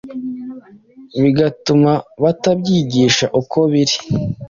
bigatuma batabyigisha uko biri.